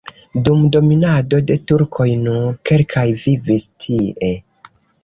Dum dominado de turkoj nur kelkaj vivis tie.